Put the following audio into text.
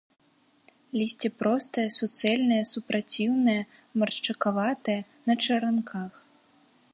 Лісце простае, суцэльнае, супраціўнае, маршчакаватае, на чаранках.